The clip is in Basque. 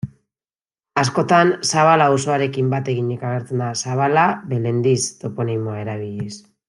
Askotan Zabala auzoarekin bat eginik agertzen da, Zabala-Belendiz toponimoa erabiliz.